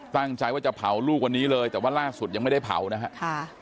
ตั้งใจว่าจะเผาลูกวันนี้เลยแต่ว่าล่าสุดยังไม่ได้เผานะครับ